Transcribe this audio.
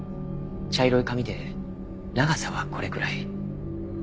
茶色い髪で長さはこれくらい。